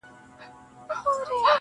ستا د سوځلي زړه ايرو ته چي سجده وکړه